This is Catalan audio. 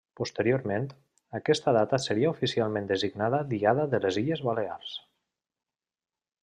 Posteriorment, aquesta data seria oficialment designada Diada de les Illes Balears.